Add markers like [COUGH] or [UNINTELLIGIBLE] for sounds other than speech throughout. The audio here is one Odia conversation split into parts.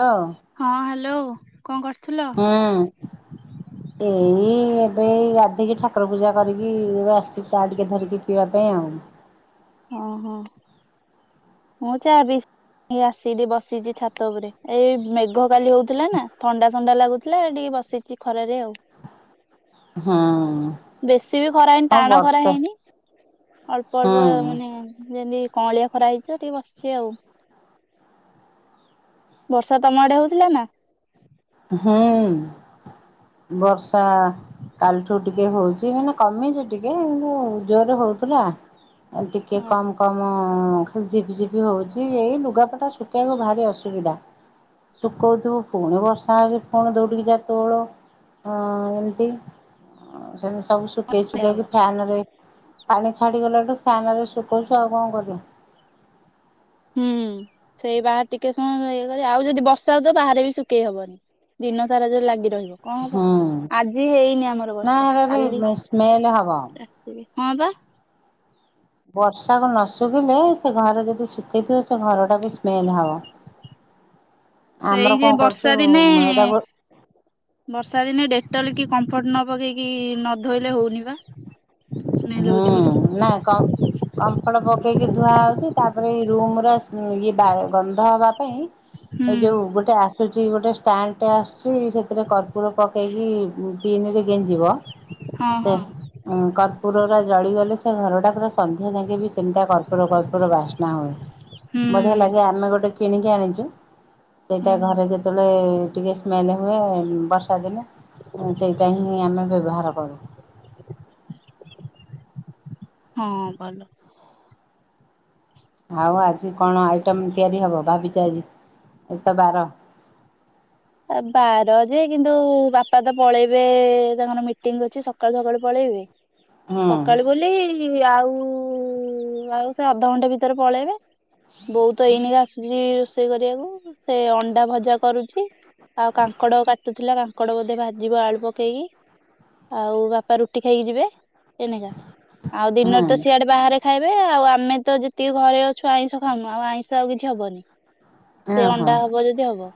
ହଁ। ହଁ ହ୍ୟାଲୋ କଣ କରଥିଲ? ହଁ। ଏଇ ଏବେ ଗାଧେଇକି ଠାକୁର ପୂଜା କରିକି ଏବେ ଆସିଛି ଚା ଟିକେ ଧରିକି ପିଇବା ପାଇଁ ଆଉ। ଓହୋ। ମୁଁ ଚାବି [UNINTELLIGIBLE] ଆସି ବସିଛି ଛାତ ଉପରେ ଏଇ ମେଘ କାଲି ହେଇଥିଲା ନା ଥଣ୍ଡା ଥଣ୍ଡା ଲାଗୁଥିଲା ଏଟି ବସିଛି ଖରାରେ ଆଉ। ହଁ। ବେଶୀ ବି ଖରା ହେଇନି ଟାଣ ଖରା ବର୍ଷା ହେଇନି। ଅଳ୍ପ ଅଳ୍ପ ହୁଁ ମାନେ ଯେମିତି କଅଁଳିଆ ଖରା ହେଇଛି। [UNINTELLIGIBLE] ଟିକେ ବସିଛି ଆଉ, ବର୍ଷା ତମ ଆଡେ ହଉଥିଲା ନା? ହୁଁ, ବର୍ଷା କାଲିଠୁ ଟିକେ ହଉଛି, ମାନେ କମିଛି ଟିକେ କିନ୍ତୁ ଜୋରରେ ହଉଥିଲା। ଏ ଟିକେ ହଁ କମ୍ କମ ଖାଲି ଜିପି ଜିପି ହଉଛି ଏଇ ଲୁଗାପଟା ଶୁଖେଇବାକୁ ଭାରି ଅସୁବିଧା। ଶୁଖଉଥିଵୁ ପୁଣି ବର୍ଷ ତା ପୁଣି ଦୌଡ଼ିକି ଯା ତୋଳ ଏମିତି, ସେମିତି ସବୁ ଶୁଖେଇ ହବ। ସୁୁକାକି ଫ୍ୟାନ ରେ ପାଣି ଛାଡିଗଲାଠୁ ଫ୍ୟାନ ରେ ଶୁଖଉଛୁ ଆଉ କଣ କରିବୁ। ହୁଁ, ସେଇ ବାରେ ଟିକେ ସମୟ ଇଏ କରି ଆଉ ଯଦି ବର୍ଷା ହଉଥିବ ବାହାରେ ବି ଶୁଖେଇ ହବନି। ଦିନ ସାରା ଯ ଲାଗି ରହିବ। କଣ ହବ, ହୁଁ ଆଜି ହେଇନି ଆମର ନା ବର୍ଷା ହେରା ବି କାଲି ସ୍ମେଲ ହବ। ଟିକେ ହଁ ବା ବର୍ଷାକୁ ନ ଶୁଖିଲେ ସେ ଘର ଯଦି ଶୁଖେଇଥିବ ସେ ଘର ଟା ବି ସ୍ମେଲ ହବ। [INAUDIBLE] ସେଇ ଆମର ଯେ କଣ କରୁଛୁ ବର୍ଷା ଦିନେ ଏଇଟା ଗୋ ବର୍ଷା ଦିନେ ଡେଟଲ କି କମ୍ଫର୍ଟ ନ ପକେଇକି ନ ଧୋଇଲେ ହଉନି ବା। ସ୍ମେଲ ହୁଁ ହଉଛି ବୋଲି। ନାଇଁ କଁ କମ୍ପର୍ଟ ପକେଇକି ଧୁଆହଉଛି ତାପରେ ଏ ରୁମ ର ଇଏ ଗନ୍ଧ ହବା ପାଇଁ ହୁଁ ଏଇ ଯୋଉ ଗୋଟେ ଆସୁଛି ଗୋଟେ ଷ୍ଟାଣ୍ଡ ଟେ ଆସୁଛି ସେଥିରେ କର୍ପୁର ପକେଇକି ପିନରେ ଗେଞ୍ଜିବ ହଁ ହଁ ପୁରା ଜଳିଗଲେ ସେ ଘରଟା ପୁରା ସନ୍ଧ୍ୟା ଯାକେ ବି ସେମିତିଆ କର୍ପୁର କର୍ପୁର ବାସ୍ନା ହୁଏ ହୁଁ ବଢିଆ ଲାଗେ ଆମେ ଗୋଟେ କିଣିକି ଆଣିଛୁ। ସେଇଟା ହୁଁ ଘରେ ଯେତେବେଳେ ଟିକେ ସ୍ମେଲ ହୁଏ ବର୍ଷା ଦିନେ ସେଇଟା ହିଁ ଆମେ ବ୍ୟବହାର କରୁ। ହଁ ଭଲ। ଆଉ ଆଜି କଣ ଆଇ ତିଆରି ହବ ଭାବିଚ ଆଜି ଏ ତ ବାର ଆ ବାର ଯେ କିନ୍ତୁ ବାପା ତ ପଳେଇବେ ତାଙ୍କର ମିଟିଙ୍ଗ ଅଛି ସକାଳୁ ସକାଳୁ ପଳେଇବେ। ହୁଁ ସକାଳୁ ବୋଲି ଆଉ ଆଉ ସେ ଅଧଘଣ୍ଟା ଭିତରେ ପଳେଇବେ। ବହୁତ ଏଇଣିକି ଆସୁଛି ରୋଷେଇ କରିବାକୁ ସେ ଅଣ୍ଡା ଭଜା କରୁଛି ଆଉ କାଙ୍କଡ କାଟୁଥିଲା କାଙ୍କଡ ବୋଧେ ଭାଜିବ ଆଳୁ ପକେଇକି ଆଉ ବାପା ରୁଟି ଖାଇକି ଯିବେ ଏନକା ଆଉ ହୁଁ ଦିନରେ ତ ସିଆଡେ ବାହାରେ ଖାଇବେ ଆଉ ଆମେ ତ ଯେତିକି ଘରେ ଅଛୁ ଆଇଁଷ ଖାଉନୁ ଆଉ ଆଇଁଷ ଆଉ କିଛି ହବନି। ସେ ହଁ ହଁ ଅଣ୍ଡା ହବ ଯଦି ହବ।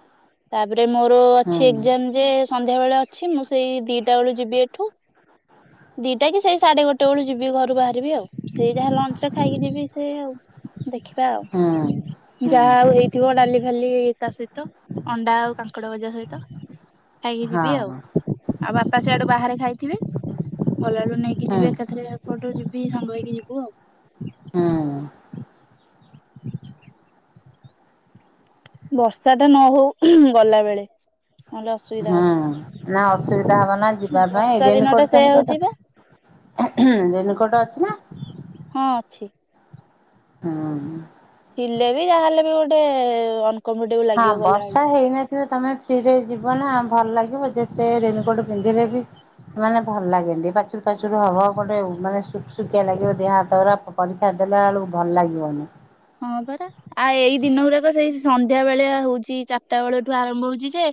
ତାପରେ ମୋର ଅଛି ହୁଁ ଏଗ୍ଜାମ ଯେ ସନ୍ଧ୍ୟା ବେଳେ ଅଛି ମୁଁ ସେଇ ଦିଟା ବେଳୁ ଯିବି ଏଠୁ। ହଁ [INAUDIBLE] ଦିଟା କି ସେଇ ସାଢେ ଗୋଟେ ବେଳୁ ଯିବି ଘରୁ ବାହାରିବି ଆଉ ସେଇ ଯାହା ଲଞ୍ଚ ରେ ଖାଇକି ଯିବି ସେଇ ଆଉ। ଦେଖିବା ହୁଁ ଆଉ ହୁଁ। ଯାହା ଆଉ ହେଇ ଥିବ ଡାଲି ଫାଲି ତା ସହିତ ଅଣ୍ଡା ଆଉ କାଙ୍କଡ ଭଜା ସହିତ। ଖାଇକି ଯିବି ଆଉ ହଁ ଆଉ ବାପା ସେଆଡୁ ବାହାରେ ଖାଇଥିବେ ଗଲାବେେଳୁ ନେଇକି ହୁଁ ଯିବେ ଏକାଥରେ ଏପଟୁ ଯିବି ସାଙ୍ଗ ହେଇକି ଯିବୁ ଆଉ। ହୁଁ। ବର୍ଷା ଟା ନ ହଉ ଗଲା ବେଳେ। ନହେଲେ ଅସୁବିଧା ହୁଁ ହବ। ନା ଅସୁବିଧା ହବ ନା ଯିବା ପାଇଁ ବର୍ଷା ଦିନ ଟା ରେନକୋଟ ସେୟା ହଉଛି ଫେନୋକୁଟ ବା ରେନିକୋଟ ଅଛି ନା? ହଁ ଅଛି। ହଁ। ଥିଲେ ବି ଯାହାହେଲେ ବି ଗୋଟେ ଅନକମ୍ଫର୍ଟେବୁଲ ହଁ ଲାଗିବ ଗଲାବେଳେ। ବର୍ଷା ହେଇନ ତମେ ଫ୍ରିରେ ଯିବ ନା ଭଲ ଲାଗିବ ଯେତେ ରେନିକୋଟ ପିନ୍ଧିଲେ ବି ମାନେ ଭଲ ଲାଗେନି ପାଚୁର ପାଚୁର ହବ ଗୋଟେ ମାନେ ସୁଖସୁଖିଆ ଲାଗିବ ଦିହ ହାତ ଗୁରା। ପରୀକ୍ଷା ଦେଲାବେେଳକୁ ଭଲ ଲାଗିବନି। ହଁ ପରା ଆଉ ଏଇ ଦିନ ଗୁଡାକ ସେଇ ସନ୍ଧ୍ୟା ବେଆ ହଉଛି ଚାରିଟା ବେଳଠୁ ଆରମ୍ଭ ହଉଚି ଯେ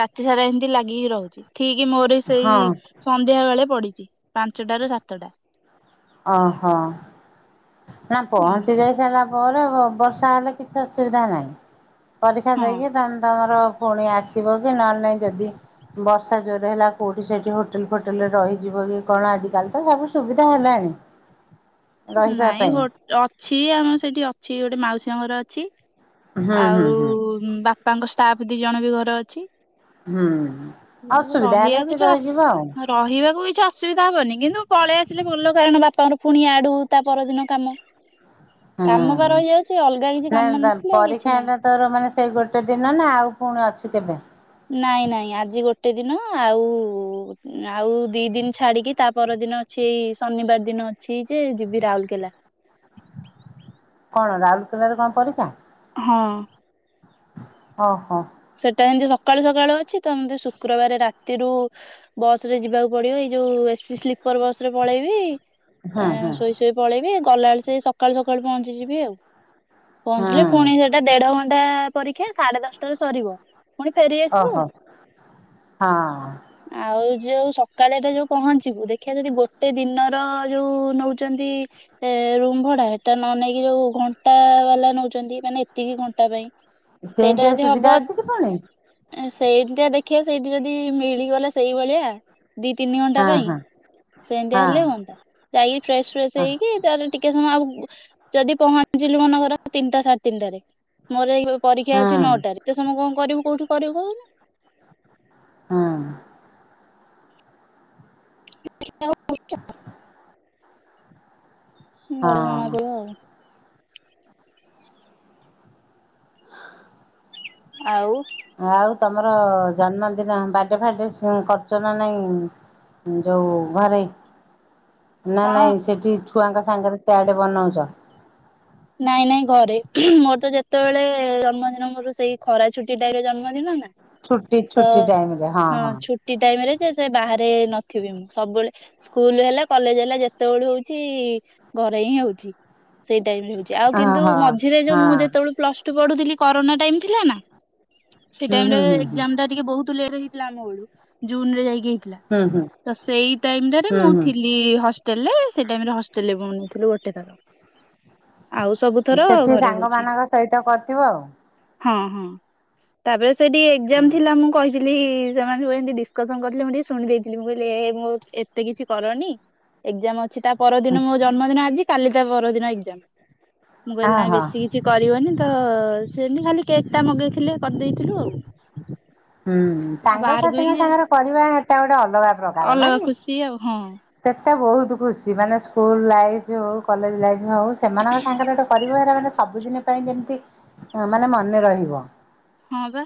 ରାତି ସାରା ଏମିତି ଲାଗିକି ରହୁଛି। ଠିକ ମୋର ସେଇ ହଁ ସନ୍ଧ୍ୟା ବେଳେ ପଡିଛି ପାଞ୍ଚଟ ରୁ ସାତଟା। ଓହୋ। ନା ଉଁ ପହଞ୍ଚି ଯାଇ ସାଇଲା ପରେ ବର୍ଷା ହେଲେ କିଛି ଅସୁବିଧା ନାହିଁ। ପରୀକ୍ଷା ହଁ ଦେଇକି ତମେ ତମର ପୁଣି ଆସିବ କି ନହେଲେ ନାଇଁ ଯଦି ବର୍ଷା ଜୋରରେ ହେଲା କୋଉଠି ସେଇଠି ହୋଟେଲ ଫୋଟେଲରେ ରହିଯିବ କି କଣ ଆଜିକାଲି ତ ସବୁ ସୁବିଧା ହେଲାଣି। [INAUDIBLE] ନାଇଁ ପାଇଁ। ହୋ ଅଛି ଆମର ସେଠି ଅଛି ଗୋଟେ ମାଉସୀଙ୍କ ଘର ଅଛି। ହୁଁ ହୁଁ ଆଉ ହୁଁ ବାପାଙ୍କ ଷ୍ଟାଫ ଦି ଜଣ ବି ଘର ଅଛି। ହୁଁ ଉଁ ଅସୁବିଧା ହେଲେ ରହିବାକୁ ଏଠି କିଛି ଅସ ରହିଯିବ ଆଉ। ରହିବାକୁ କିଛି ଅସୁବିଧା ହବନି କିନ୍ତୁ ପଳେଇ ଆସିଲେ ଭଲ କାରଣ ବାପାଙ୍କର ପୁଣି ଆଡୁ ତା ପରଦିନ କାମ। ହୁଁ କାମ ବା ରହିଯାଉଛି ଅଲଗା କିଛି କାମ [UNINTELLIGIBLE] ନଥିଲେ କିଛି ପରୀକ୍ଷା ନାହିଁ। ଟା ତୋର ମାନେ ସେଇ ଗୋଟେ ଦିନ ନା ଆଉ ପୁଣି ଅଛି କେବେ? ନାଇଁ ନାଇଁ ଆଜି ଗୋଟେ ଦିନ ଆଉ ଆଉ ଦି ଦିନ ଛାଡିକି ତା ପରଦିନ। ସେଇ ଶନିବାର ଦିନ ଅଛି ଯେ ଯିବି ରାଉରକେଲା। କଣ ରାଉଲକେଲାରେ କଣ ପରୀକ୍ଷା? ହଁ। ଅ ହୋ। ସେଟା ଏମିତି ସକାଳୁ ସକାଳୁ ଅଛି ତମତି ଶୁକ୍ରବାର ରାତିରୁ ବସ ରେ ଯିବାକୁ ପଡିବ ଏଇ ଯୋଉ ଏ ସିି ସ୍ଲିପର ବସ ରେ ପଳେଇବି। ହୁଁ ହୁଁ ଶୋଇ ଶୋଇ ପଳେଇବି ଗଲାବେଳେ ସେଇ ସକାଳୁ ସକାଳୁ ପହଞ୍ଚିଯିବି ଆଉ। ହୁଁ। ପହଞ୍ଚିଲେ ପୁଣି ସେଟା ଦେଢ ଘଣ୍ଟା ପରୀକ୍ଷା ସାଢେ ଦଶଟାରେ ସରିବ। ପୁଣି ଫେରି ଆସିବୁ ଆଉ। ଓହୋ ହଁ ଆଉ ଯୋଉ ସକାଳେ ତ ଯୋଉ ପହଞ୍ଚିବୁ ଦେଖିବା ଯଦି ଗୋଟେ ଦିନର ଯୋଉ ନଉଚନ୍ତି ଏ ରୁମ ଭଡା ହେଟା ନ ନେଇେଇକି ଯୋଉ ଘଣ୍ଟା ବାଲା ନଉଚନ୍ତି ମାନେ ଏତିକି ଘଣ୍ଟା ପାଇଁ। ସେଇଟା ସେନ୍ଦିଆ ଯଦି ହବ ସେଇଠା ଦେଖିଆ ସେଇଠି ଯଦି ମିଳିଗଲା ସେଇଭଳିଆ ଦି ତିନି ଘଣ୍ଟା ହଁ ପାଇଁ ହଁ। ସେମିତିଆ ହଁ ହେଲେ ହୁଅନ୍ତା ଯାଇକି ଫ୍ରେସ ଫ୍ରେଶ ହଁ ହେଇକି ତାଲେ ଟିକେ ସମୟ ଆ ଯଦି ପହଞ୍ଚିଲୁ ମନେକର ତିନିଟା ସାଢେ ତିନିଟାରେ ମୋର ଏଇ ପରୀକ୍ଷା ହୁଁ ଅଛି ନଅଟାରେ ଏତେ ସମୟ କଣ କରିବୁ କୋଉଠି କରିବୁ କହୁନୁ। ହଁ। [INAUDIBLE] ଗଲେ ଜଣା ହଁ। ପଡିବ ଆଉ। ଆଉ। ଆଉ ତମର ଜନ୍ମଦିନ ବାର୍ଡେ ଫାର୍ଡେ କରୁଚ ସ ନା ନାଇଁ? ଯଉ ଘରେ ନା ହଁ ନାଇଁ ସେଠି ଛୁଆଙ୍କ ସାଙ୍ଗରେ ସିଆଡେ ବନଉଚ। ନାଇଁ ନାଇଁ ଘରେ ହୁଁ ମୋର ତ ଯେତେବେଳେ ଜନ୍ମଦିନ ମୋର ସେଇ ଖରା ଛୁଟି ଟା ଜନ୍ମଦିନ ନା। ଛୁଟି ତ ଛୁଟି ଟାଇମରେ ହଁ, ହଁ। ଛୁଟି ଟାଇମ ରେ ଯେ ସେ ବାହାରେ ନଥିବି ମୁଁ ସବୁବେଳେ ସ୍କୁଲ ହେଲା, କଲେଜ ହେଲା, ଯେତେବେଳୁ ହଉଛି ଘରେ ହିଁ ହଉଛି। [UNINTELLIGIBLE] ଟାଇମରେ ଆଉ କିନ୍ତୁ ହଁ ହଁ। ମଝିରେ ଯୋଉ ମୁଁ ହଁ ଯେତେବେଳେ ପ୍ଲସ ଟୁ ପଢୁଥିଲି। କରୋନା ଟାଇମ ଥିଲା ନା ସେ ଟାଇମ ରେ ହୁଁ ହୁଁ ହୁଁ ଏକଜାମ ଟା ଟିକେ ବହୁତ ଲେଟ ହେଇଥିଲା। ଆମ ବଳୁ ଜୁନ ରେ ଯାଇକି ହେଇଥିଲା। ହୁଁ ହୁଁ ହୁଁ ତ ସେଇ ଟାଇମ ଟାରେ ହୁଁ ମୁଁ ହୁଁ ଥିଲି। ହା ହେଲ ସେ ଟାଇମରେ ହଷ୍ଟେଲରେ ନେଇଥିଲୁ ଗଟେ ଥର ଆଉ ସବୁ ଥର ସେଠି ଘରେ ସାଙ୍ଗ ହଉଛି। ମାନଙ୍କ ସହିତ କରିଥିବ ଆଉ। ହଁ ହଁ ତାପରେ ସେଠିକେ ଏକଜାମ ହୁଁ ଥିଲା ମୁ କହିଥିଲି। ସେମାନେ ସବୁ ଏମିତି ଡିସକସନ କରିଥିଲେ। ମୁଁ ଟିକେ ଶୁଣି ଦେଇେଇଥିଲି ମୁଁ କହିଲି ଏ ମୁଁ ଏତେ କିଛି କରନି ଏକଜାମ ଅଛି ତା ପରଦିନ ମୋ ଜନ୍ମଦିନ ଆଜି କାଲି ତା ପରଦିନ ଏକଜାମ। ମୁଁ କହିଲି ଓହୋ ନାହି ହୁଁ ବେଶୀ କିଛି କରିବନି ତ ସି ନି ଖାଲି କେକ୍ ଟା ମଗେଇଥିଲେ କରି ଦେଇଥିଲୁ ଆଉ ହୁଁ ଆଉ ବାହାରକୁ ହେଇକି ସାଙ୍ଗସାଥିୀଙ୍କ ଯା ସାଙ୍ଗରେ କରିବା ହେଟା ଗୋଟେ ଅଲଗା ପ୍ରକାର ନା ଅଲଗା କି? ଖୁସି ଆଉ ହଁ ସେଟା ବହୁତ ଖୁସି ମାନେ ସ୍କୁଲ ଲାଇଫ ହଉ କଲେଜ ଲାଇଫ ହଉ ସେମାନଙ୍କ ସାଙ୍ଗରେ ଗୋଟେ ପରିବାର ମାନେ ସବୁଦିନ ପାଇଁ ଯେମିତି ଅ ମାନେ ମନେ ରହିବ। ହଁ ବା।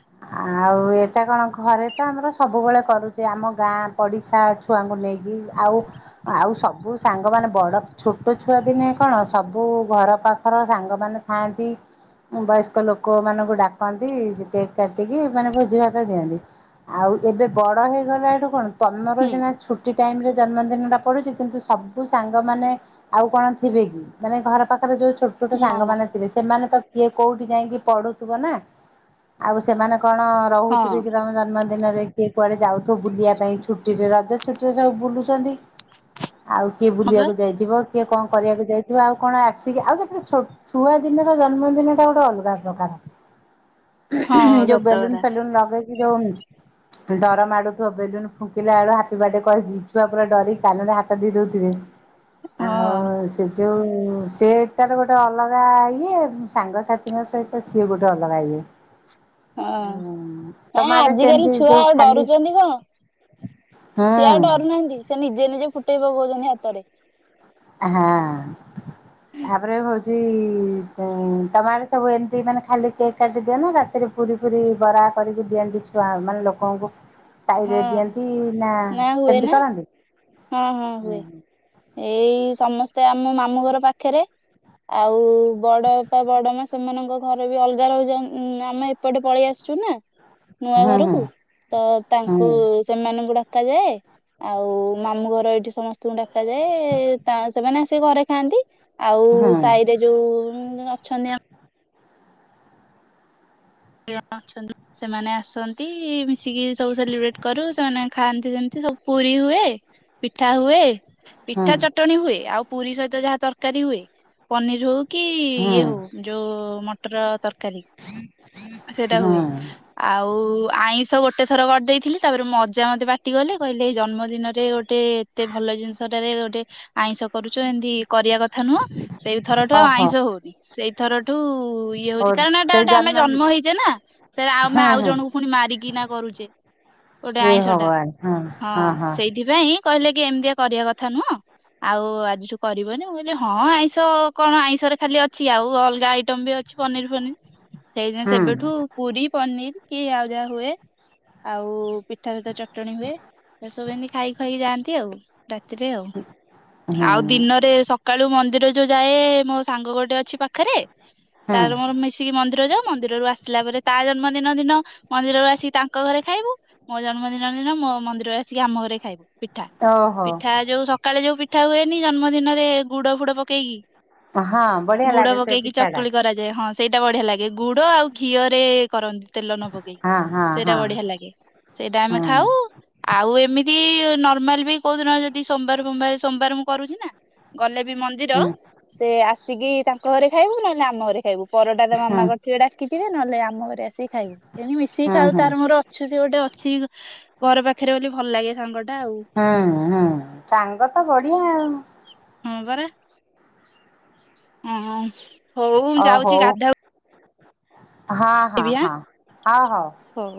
ଆଉ ଏଇଟା କଣ ଘରେ ତ ଆମର ସବୁବେଳେ କରୁଚି, ଆମ ଗାଁ ପଡିଶା ଛୁଆଙ୍କୁ ନେଇକି ଆଉ ଆଉ ସବୁ ସାଙ୍ଗମାନେ ବଡ ଛୋଟ ଛୁଆ ଦିନେ କଣ ସବୁ ଘର ପାଖର ସାଙ୍ଗମାନେ ଖାଆନ୍ତି। ବୟସ୍କ ଲୋକମାନଙ୍କୁ ଡାକନ୍ତି କେକ୍ କାଟିକି ମାନେ ଭୋଜି ଭାତ ଦିଅନ୍ତି। ଆଉ ଯେବେ ବଡ ହେଇଗଲାଠୁ କଣ ତମର ହୁଁ ସିନା ଛୁଟି ଟାଇମ ରେ ଜନ୍ମଦିନଟା ପଡ଼ୁଚି କିନ୍ତୁ ସବୁ ସାଙ୍ଗମାନେ ଆଉ କଣ ଥିବେ କି, ମାନେ ଘର ପାଖରେ ଯୋଉ ଛୋଟ ଛୋଟ ନା ନା ସାଙ୍ଗମାନେ ଥିବେ ସେମାନେ ତ କିଏ କୋଉଠି ଯାଇଁକି ପଢୁଥିବ ନା, ଆଉ ସେମାନେ କଣ ହଁ ରହୁଥିବେ କି ତମ ଜନ୍ମଦିନରେ କିଏ କୁଆଡେ ଯାଉଥୁବ ବୁଲିଆ ପାଇଁ ଛୁଟିରେ ରଜ ଛୁଟିରେ ସବୁ ବୁଲୁ ଚନ୍ତି, ଆଉ କିଏ ହଁ ବା ବୁଲିବାକୁ ଯାଇଥିବ କଏ କଁ କରିଆକୁ ଯାଇଥିବ ଆଉ କଣ ଆସିକି ଆଉ ସେପଟେ ଛୋ ଛୁଆ ଦିନର ଜନ୍ମଦିନ ଟା ଗୋଟେ ଅଲ୍ଗା ପ୍ରକାର ହଁ ଯୋଉ ସତ ବେଲୁନ କଥା ଫେଲୁନ ଲଗେ ଯୋଉ ଡରମାଡ଼ୁଥିବ ବେଲୁନ ଫୁଙ୍କିଲା ବେଳୁ ହାପି ବାର୍ଡେ କହିକି। ଛୁଆ ପୁରା ଡରି କାନରେ ହାତ ଦେଇ ଦୋଉଥିବେ ହଁ। ଆଉ ସେ ଯୋଉ-ଉ ସେଟାର ଗୋଟେ ଅଲଗା-ଆ ଇଏ, ସାଙ୍ଗସାଥିଙ୍କ ସହିତ ସିଏ ଗୋଟେ ଅଲଗା ଇଏ ହଁ ତମ ହଁ ଆଡେ ଆଜିକାଲି ସେମିତି ଛୁଆ ଯୋଉ ଆଉ ଖାଲି ଡରୁଚନ୍ତି କଁ? ସିଏ ଆଉ ଡରୁ ହୁଁ ନାହାନ୍ତି ସେ ନିଜେ ନିଜେ ଫୁଟେଇ ପକୋଉଛନ୍ତି ହାତରେ। ହା। ତାପରେ ହୋଉଚି-ଇ ଉଁ ତମ ଆଡେ ସବୁ ଏମତି ମାନେ ଖାଲି କେକ୍ କାଟି ଦିଅ ନା ରାତିରେ ପୁରୀ ଫୁରୀ ବରା କରିକି ଦିଅନ୍ତି ଛୁଆ ମାନେ ଲୋକଙ୍କୁ ଶାଇରେ ହଁ ଦିଅନ୍ତି ନା ହୁଏ ସେମିତି ନା କରନ୍ତି, ହଁ ହଁ ହୁଏ। ହୁଁ। ଏଇ ସମସ୍ତେ ଆମ ମାମୁଁ ଘର ପାଖରେ ଆଉ ବଡ ବାପା ବଡ ମା ସେମାନଙ୍କ ଘର ବି ଅଲଗା ରହୁଚନ୍ ଉଁ ଆମେ ଏପଟେ ପଳେଇ ଆସିଚୁ ନା ନୂଆ ହୁଁ ହୁଁ ଘରୁକୁ ତ ତାଙ୍କୁ ବି ସେମାନଙ୍କୁ ଡକାଯାଏ। ଆଉ ମାମୁଁ ଘର ଏଇଠି ସମସ୍ତଙ୍କୁ ଡାକାଯାଏ-ଏ ତା ସେମାନେ ଆସିକି ଘରେ ଖାଆନ୍ତି। ଆଉ ହୁଁ ସାଇରେ ଯୋଉ ଉଁ ଅଛନ୍ତି ଆମ୍ ଆ ଅଛନ୍ତି। ସେମାନେ ଆସନ୍ତି-ଇ ମିଶିକି ସବୁ ସେଲିବ୍ରେଟ କରୁ ସେମାନେ ଖାଆନ୍ତି ସେନ୍ତି ସବୁ ପୁରୀ ହୁଏ। ପିଠା ହୁଏ। ହୁଁ ପିଠା ଚଟଣି ହୁଏ, ଆଉ ପୁରୀ ସହିତ ଯାହା ତର୍କାରୀ ହୁଏ, ପନିର ହଉ କି-ଇ ହୁଁ ଇଏ ହଉ ଯୋଉ-ଉ ମଟର ତର୍କାରୀ। ହ [UNINTELLIGIBLE] ସେଇଟା ହୁଏ। ଆଉ-ଉ ଆଇଁଷ ଗୋଟେ ଥର କରିଦେଇଥିଲି ତାପରେ ମୋ ଅଜା ମତେ ପାଟି ଗଲେ କହିଲେ ଜନ୍ମଦିନରେ ଗୋଟେ ଏତେ ଭଲ ଜିନିଷଟାରେ ଗୋଟେ ଆଇଁଷ କରୁଛ ଏମିତି କରିବା କଥା ନୁହଁ। ସେଇ ଥରଠୁ ଆଉ ଓହୋ ଆଇଁଷ ହୋଉନି, ସେଇ ଥରଠୁ-ଉ ଇଏ ଓ ହୋଉଚି କାରଣ ଏଟା ସେ ଗୋଟେ ଆମେ ଜନ୍ମ ହେଇଚେ ନା ସେରା ଆମେ ହୁଁ ଆଉ ହୁଁ ଜଣଙ୍କୁ ପୁଣି ମାରିକି ନା କରୁଚେ। ଗୋଟେ ହେ ଆଇଁଷଟା, ଭଗବାନ ହଁ ସେଇଥିପାଇଁ କହିଲେ କି ଏମିତିଆ କରିବା କଥା ନୁହଁ। ଆଉ ଆଜିଠୁ କରିବନି, ମୁଁ କଇଲି ହଁ ଆଇଁଷ କଣ ଆଇଁଷରେ ଖାଲି ଅଛି ଆଉ ଅଲଗା ଆଇଟମ ବି ଅ ଛି ପନିର ଫନି ସେଇଦିନ ହଁ। ସେବେଠୁ ପୁରୀ, ପନିର କି ଆଉ ଯାହା ହୁଏ, ଆଉ ପିଠା ସହିତ ଚଟଣୀ ହୁଏ। ସେସବୁ ଏମିତି ଖାଇ ଖାଇକି ଯାଆନ୍ତି ଆଉ। ରାତିରେ ଆଉ। ହୁଁ ଆଉ ହୁଁ ଦିନରେ ସଖା ସଖାଳୁ ମନ୍ଦିର ଯୋଉ ଯାଏ ମୋ ସାଙ୍ଗ ଗୋଟେ ଅଛି ପାଖରେ, ହୁଁ ତାର ମୋର ମିଶିକି ମନ୍ଦିର ଯାଉ। ମନ୍ଦିରରୁ ଆସିଲା ପରେ ତା ଜନ୍ମଦିନ ଦିନ ମନ୍ଦିରରୁ ଆସିକି ତାଙ୍କ ଘରେ ଖାଇବୁ। ମୋ ଜନ୍ମଦିନ ଦିନ ମୋ ମନ୍ଦିରରେ ସିଏ ଆମ ଘରେ ଖାଏ। ପିଠା। ଓହୋ ପିଠା ଯୋଉ ସକାଳେ ଯୋଉ ପିଠା ହୁଏନି, ଜନ୍ମଦିନରେ ଗୁଡ ଫୁଡ ପକେଇକି। ହଁ ବଢିଆ ଗୁଡ ଲାଗେ ସେ ପକେଇକି ପିଠାଟା। ଚକୁଳି କରାଯା ଯେ ହଁ ସେଇଟା ବଢିଆ ଲାଗେ, ଗୁଡ ଆଉ ଘିଅରେ କରନ୍ତି। ତେଲ ନ ପକେଇକି ହଁ ହଁ ସେଇଟା ହଁ ବଢିଆ ଲାଗେ। ସେଇଟା ଆମେ ହୁଁ ଖାଉ। ଆଉ ଏମିତି ନର୍ମାଲ ବି କୋଉ ଦିନ ଯଦି ସୋମବାର ଫୋମବାର, ସୋମବାର ମୁଁ କରୁଛି ନା। ଗଲେ ବି ମନ୍ଦିର, ହୁଁ। ସେ ଆସିକି ତାଙ୍କ ଘରେ ଖାଇବୁ ନହେଲେ ଆମ ଘରେ ଖାଇବୁ। ପରଟା ତ ହଁ ମାମା କ ଡାକିଥିବେ ନହେଲେ ଆମ ଘରେ ଆସିକି ଖାଇବୁ ଏଣୁ ମିଶିକି ହଁ ଖାଉ ହଁ ତାର ମୋର ଅଛୁ, ସେ ଗୋଟେ ଅଛି। ଘର ପାଖରେ ବୋଲି ଭଲ ଲାଗେ ସାଙ୍ଗ ଟା ଆଉ। ହଁ ହଁ, ସାଙ୍ଗ ତ ବଢିଆ। ହଁ ପରା। ହଁ ହଁ ହଉ ଯାଉଛି, ଗାଧ ହଁ ହଁ ଆଁ ହଁ, ହଉ ହଉ। ହଉ।